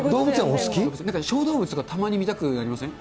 なんか小動物とか、たまに見たくなりません？